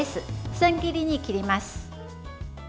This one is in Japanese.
千切りに切ります。